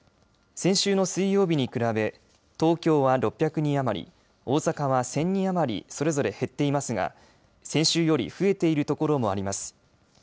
先週の水曜日に比べ東京は６００人余り、大阪は１０００人余りそれぞれ減っていますが先週より増えているところもあります。